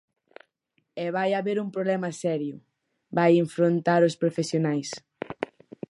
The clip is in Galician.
E vai haber un problema serio, vai enfrontar os profesionais.